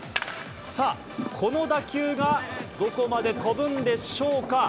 さあ、この打球がどこまで飛ぶんでしょうか。